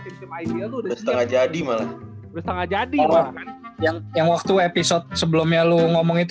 tim tim ibl udah setengah jadi malah berusaha jadi orang yang waktu episode sebelumnya lu ngomong itu